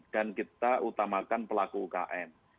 dan kita utamakan pelaku ukm